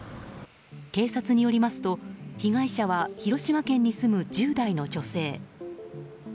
警察によりますと、被害者は広島県に住む１０代の女性。